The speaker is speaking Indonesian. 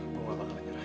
aku gak akan menyerah